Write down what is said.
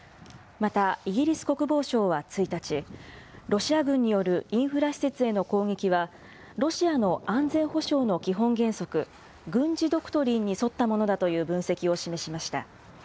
またイギリス国防省は１日、ロシア軍によるインフラ施設への攻撃は、ロシアの安全保障の基本原則、軍事ドクトリンに沿ったものだという分析を示しました。